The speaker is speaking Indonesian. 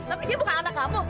tapi dia bukan anak kamu